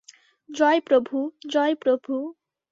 জয় প্রভু, জয় প্রভু।